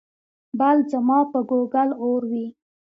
بل ځما په ګوګل اور وي